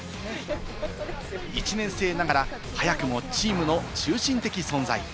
１年生ながら早くもチームの中心的存在。